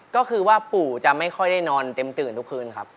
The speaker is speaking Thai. ก็คือว่าปู่จะไม่ค่อยได้นอนเต็มตื่นทุกคืนครับ